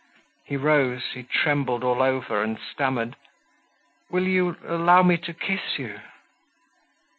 He rose, he trembled all over and stammered: "Will you allow me to kiss you?"